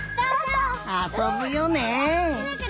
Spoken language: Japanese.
あそぶよね！